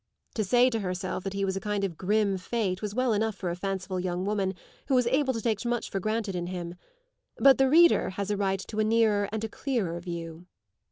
To say to herself that he was a kind of grim fate was well enough for a fanciful young woman who was able to take much for granted in him; but the reader has a right to a nearer and a clearer view.